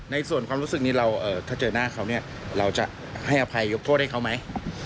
ในส่วนความรู้สึกนี้เราถ้าเจอหน้าเขาเนี่ยเราจะให้อภัยยกโทษให้เขาไหม